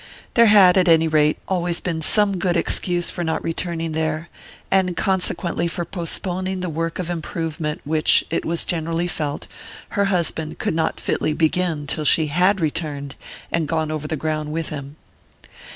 There had, at any rate, always been some good excuse for not returning there, and consequently for postponing the work of improvement which, it was generally felt, her husband could not fitly begin till she had returned and gone over the ground with him.